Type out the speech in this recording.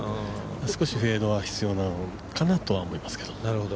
少しフェードが必要かなとは思いますけど。